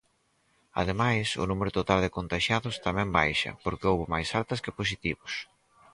Ademais, o número total de contaxiados tamén baixa, porque houbo máis altas que positivos.